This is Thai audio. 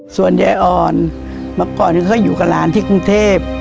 ส่วนยายอ่อนเมื่อก่อนเคยอยู่กับหลานที่กรุงเทพ